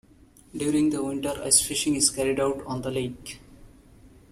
During the winter, ice fishing is carried out on the lake.